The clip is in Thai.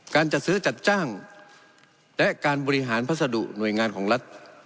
การจัดซื้อจัดจ้างและการบริหารพัสดุหน่วยงานของรัฐ